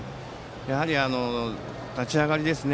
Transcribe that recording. やはり、立ち上がりですね。